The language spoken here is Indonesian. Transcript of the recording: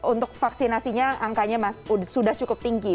untuk vaksinasinya angkanya sudah cukup tinggi